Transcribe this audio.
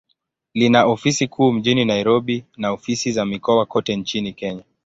Lina ofisi kuu mjini Nairobi, na ofisi za mikoa kote nchini Kenya.